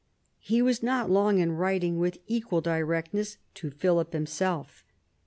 He was not long in writing with equal directness to Philip himself.